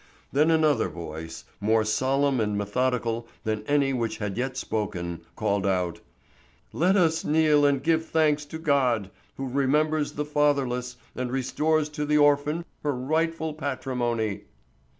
Then another voice, more solemn and methodical than any which had yet spoken, called out: "Let us kneel and give thanks to God, who remembers the fatherless and restores to the orphan her rightful patrimony."